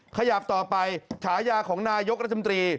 ขยับต่อไปฉายาของนายกรัฐมนตรี